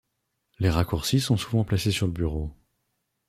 Les raccourcis sont souvent placés sur le bureau.